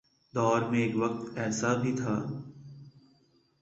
دور میں ایک وقت ایسا بھی تھا۔